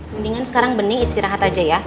mendingan sekarang bening istirahat aja ya